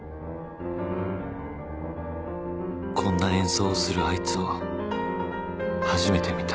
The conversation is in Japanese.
こんな演奏をするあいつを初めて見た